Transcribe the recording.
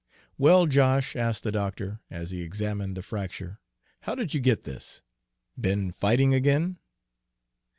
"Well, Josh," asked the doctor, as he examined the fracture, "how did you get this? Been fighting again?"